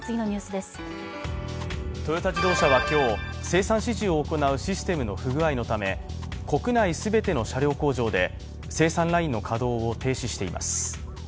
トヨタ自動車は今日、生産指示を行うシステムの不具合のため国内全ての車両工場で生産ラインの稼働を停止しています。